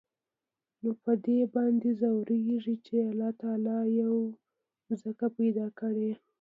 نو په دې باندې ځوريږي چې د الله تعال يوه ځمکه پېدا کړى.